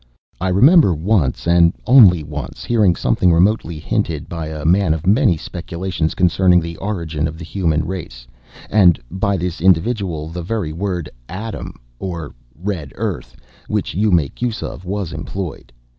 I remember once, and once only, hearing something remotely hinted, by a man of many speculations, concerning the origin of the human race; and by this individual, the very word Adam (or Red Earth), which you make use of, was employed.